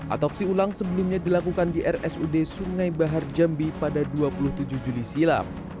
otopsi ulang sebelumnya dilakukan di rsud sungai bahar jambi pada dua puluh tujuh juli silam